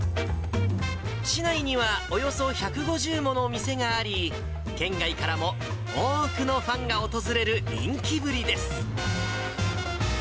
市内には、およそ１５０もの店があり、県外からも多くのファンが訪れる人気ぶりです。